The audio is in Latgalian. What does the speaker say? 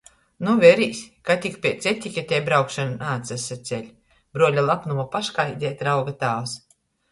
"Nu, verīs, ka tik piec etika tei braukšona naatsaceļ!" bruoļa lapnuma paškaideit rauga tāvs.